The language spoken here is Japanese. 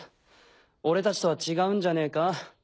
俺たちとは違うんじゃねえか？